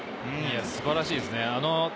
素晴らしいですね。